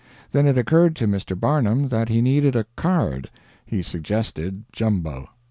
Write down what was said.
Then it occurred to Mr. Barnum that he needed a "card." He suggested Jumbo.